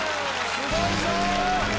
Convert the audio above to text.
すごいぞ！